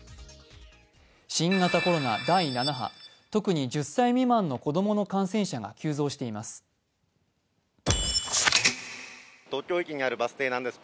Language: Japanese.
新型コロナ第７波、特に１０歳未満の子供の感染者が急増しています。